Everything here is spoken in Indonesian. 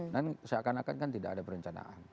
dan seakan akan kan tidak ada perencanaan